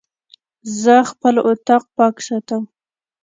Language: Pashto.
زه خپل اطاق پاک ساتم.